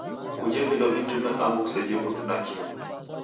Kuje vindo vitini angu kuseje putu nakio.